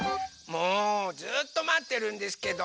もうずっとまってるんですけど。